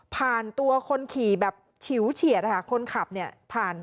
ผ่านตัวคนขี่แบบฉิ๋วเฉียดค่ะคนขับเนี่ย